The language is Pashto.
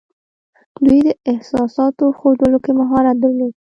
دوی د احساساتو ښودلو کې مهارت درلود